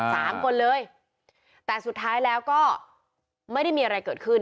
สามคนเลยแต่สุดท้ายแล้วก็ไม่ได้มีอะไรเกิดขึ้น